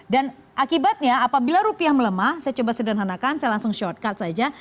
dan akibatnya apabila rupiah melemah saya coba sederhanakan saya langsung shortcut saja